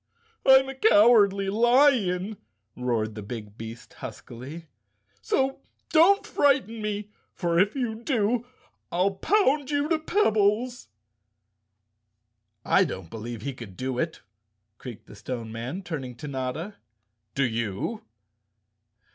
"I'm a Cowardly Lion," roared the big beast huskily, " so don't frighten me, for if you do I'll pound you to pebbles." "I don't believe he could do it," creaked the Stone Man, turning to Notta. "Do you?"